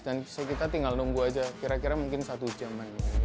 dan kita tinggal nunggu saja kira kira mungkin satu jam